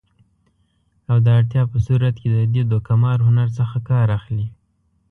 او د اړتیا په صورت کې د دې دوکه مار هنر څخه کار اخلي